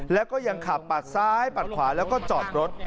แล้วก็ยังขับปัดซ้ายปัดขวาแล้วก็จอดรถ